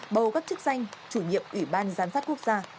bầu các chức danh chủ nhiệm ủy ban giám sát quốc gia